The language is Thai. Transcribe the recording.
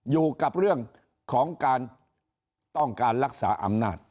อยู่กับเรื่องของการต้องการรักษาอำนาจ